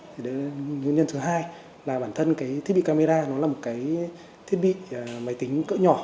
nguyên nhân thứ hai là bản thân thiết bị camera là một thiết bị máy tính cỡ nhỏ